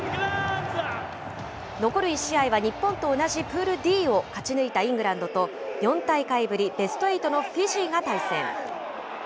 残る１試合は日本と同じプールＤを勝ち抜いたイングランドと、４大会ぶりベストエイトのフィジーが対戦。